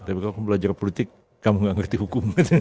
tapi kalau kamu belajar politik kamu gak ngerti hukum